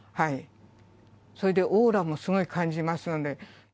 それでオーラもすごい感じますので。